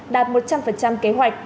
đạt một trăm linh kế hoạch